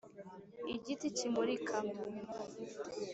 igiti kimurika,